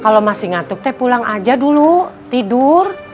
kalo masih ngantuk teh pulang aja dulu tidur